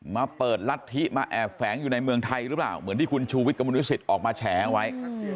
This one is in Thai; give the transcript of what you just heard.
มาเปิดรัฐธิมาแอบแฝงอยู่ในเมืองไทยหรือเปล่าเหมือนที่คุณชูวิทย์กระมวลวิสิตออกมาแฉเอาไว้